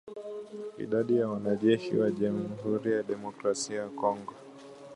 Idadi ya wanajeshi wa jamhuri ya kidemokrasia ya Kongo